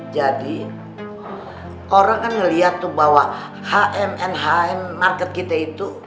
jadi orang kan ngeliat tuh bahwa hmn hm market kita itu